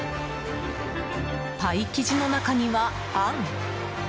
パイ生地の中には、あん。